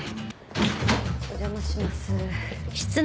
お邪魔します。